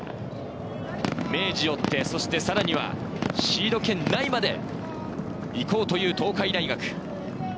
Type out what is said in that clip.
明治を追って、さらにはシード圏内まで行こうという東海大学。